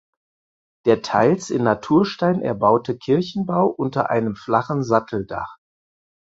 Der teils in Naturstein erbaute Kirchenbau unter einem flachen Satteldach.